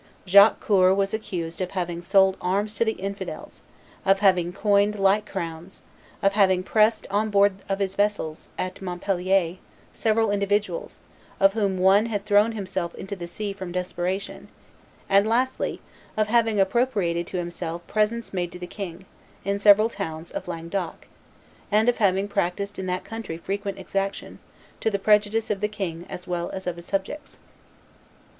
Jacques Coeur was accused "of having sold arms to the infidels, of having coined light crowns, of having pressed on board of his vessels, at Montpellier, several individuals, of whom one had thrown himself into the sea from desperation, and lastly of having appropriated to himself presents made to the king, in several towns of Languedoc, and of having practised in that country frequent exaction, to the prejudice of the king as well as of his subjects."